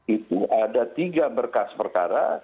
itu ada tiga berkas perkara